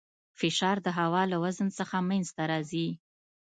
فشار د هوا له وزن څخه منځته راځي.